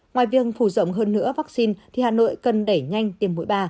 ngoài việc phủ rộng hơn nữa vaccine thì hà nội cần đẩy nhanh tiêm mũi ba